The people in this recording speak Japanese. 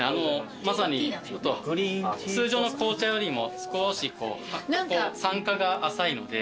まさに通常の紅茶よりも少し酸化が浅いので。